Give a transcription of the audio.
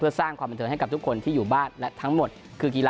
สร้างความบันเทิงให้กับทุกคนที่อยู่บ้านและทั้งหมดคือกีฬา